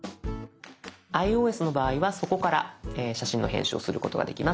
ｉＯＳの場合はそこから写真の編集をすることができます。